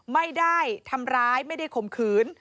ไม่ได้ทำร้ายไม่ได้ข่มขืน